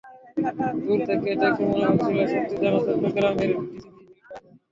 দূর থেকে দেখে মনে হচ্ছিল, সত্যি যেন চট্টগ্রামের ডিসি হিল পার্ক।